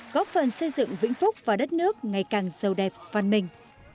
góp phần xây dựng vĩnh phúc và đất nước ngày càng sâu đẹp văn minh